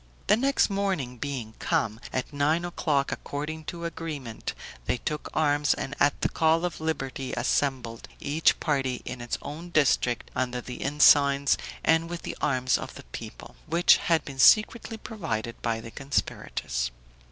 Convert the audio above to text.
The next morning being come, at nine o'clock, according to agreement, they took arms, and at the call of liberty assembled, each party in its own district, under the ensigns and with the arms of the people, which had been secretly provided by the conspirators.